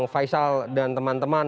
faisal dan teman teman